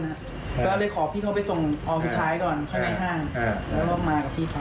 ก็เลยขอพี่เขาไปส่งออกสุดท้ายก่อนข้างในห้าง